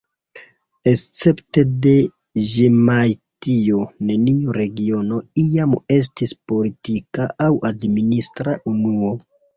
Escepte de Ĵemajtio neniu regiono iam estis politika aŭ administra unuo.